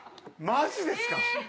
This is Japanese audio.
マジですか？